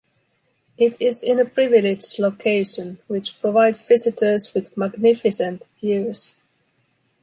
It is in a privileged location, which provides visitors with magnificent views.